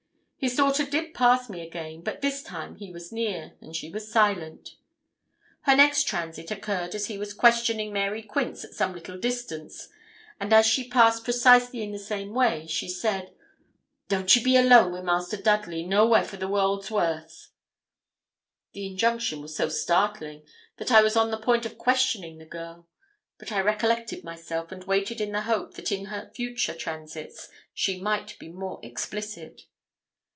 His daughter did pass me again; but this time he was near, and she was silent. Her next transit occurred as he was questioning Mary Quince at some little distance; and as she passed precisely in the same way, she said 'Don't you be alone wi' Master Dudley nowhere for the world's worth.' The injunction was so startling that I was on the point of questioning the girl. But I recollected myself, and waited in the hope that in her future transits she might be more explicit.